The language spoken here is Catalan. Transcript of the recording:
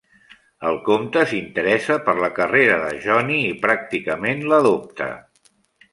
El comte s'interessa per la carrera de Johnny i pràcticament l'adopta.